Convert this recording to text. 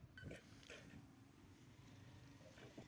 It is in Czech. Přes sedm tisíc fanoušků hostů mohlo slavit mistrovský titul.